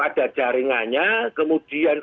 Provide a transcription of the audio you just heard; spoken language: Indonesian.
ada jaringannya kemudian